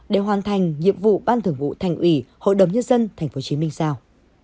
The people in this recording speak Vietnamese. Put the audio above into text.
để hoàn thành nhiệm vụ ban thưởng vụ thành ủy hội đồng nhân dân tp hcm giao